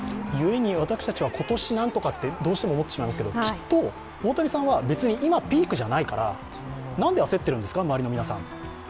私たちは今年何とかとどうしても思ってしまいますけど、きっと大谷さんは別に今ピークじゃないから、何で焦ってるんですか周りの皆さん。